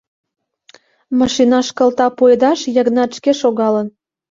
Машинаш кылта пуэдаш Йыгнат шке шогалын.